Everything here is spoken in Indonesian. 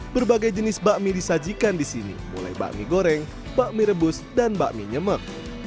berbagai jenis bakmi disajikan di sini mulai bakmi goreng bakmi rebus dan bakmi nyemek